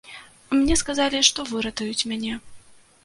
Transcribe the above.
Мне сказалі, што выратуюць мяне.